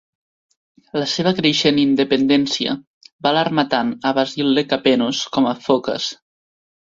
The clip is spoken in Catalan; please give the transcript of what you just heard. La seva creixent independència va alarmar tant a Basil Lekapenos com a Phokas.